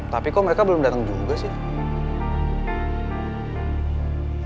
tapi kok mereka belum datang juga sih